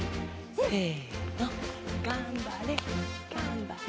せのがんばれがんばれ！